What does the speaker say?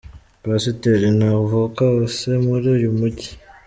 Pasiteri Ntavuka Osee, muri uyu mujyi.